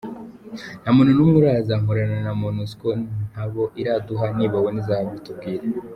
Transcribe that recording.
Nta muntu n’umwe uraza, nkorana na Monusco, ntabo iraduha, nibabona izabitubwira.